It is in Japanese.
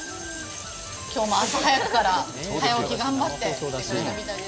今日も朝早くから早起き頑張って来てくれたそうです。